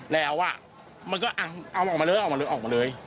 แล้วมันก็เอาออกมาเลยออกมาเลยออกมาเลย